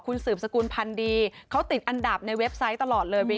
คุณสืบสกุลพันธ์ดีเขาติดอันดับในเว็บไซต์ตลอดเลย